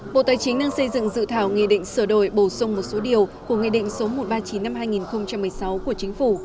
bộ tài chính đang xây dựng dự thảo nghị định sửa đổi bổ sung một số điều của nghị định số một trăm ba mươi chín năm hai nghìn một mươi sáu của chính phủ